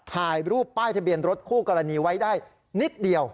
ถ่ายรูปป้ายทะเบียนรถคู่กรณีไว้ได้นิดเดียว